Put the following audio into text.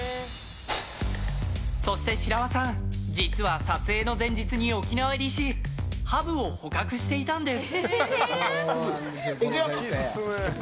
そして、白輪さん実は撮影の前日に沖縄入りしハブを捕獲していたんです。